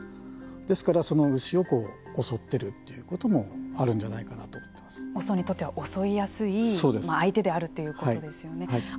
ですから、その牛を襲っているということもＯＳＯにとっては襲いやすい相手であるということですね。